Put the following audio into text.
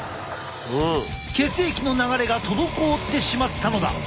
血液の流れが滞ってしまったのだ。